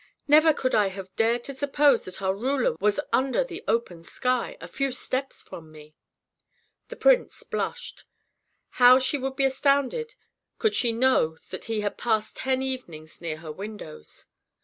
Never could I have dared to suppose that our ruler was under the open sky, a few steps from me." The prince blushed. How she would be astounded could she know that he had passed ten evenings near her windows!